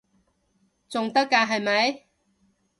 仲得㗎係咪？